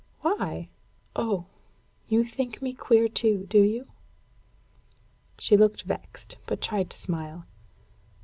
Why? Oh! you think me queer too, do you?" She looked vexed, but tried to smile.